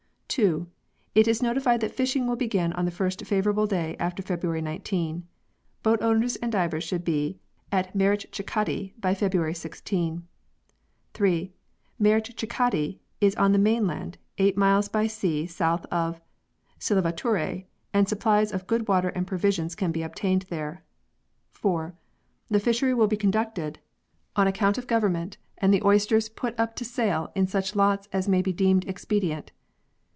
" 2. It is notified that fishing will begin on the first favourable day after February 19. Boat owners and divers should be at Marichchikkaddi by February 16. "3. Marichchikkaddi is on the mainland, eight miles by sea south of Sillavaturai, and supplies of good water and provisions can be obtained there. " 4. The fishery will be conducted on account of 72 PEARLS [CH. Government, and the oysters put up to sale in such lots as may be deemed expedient.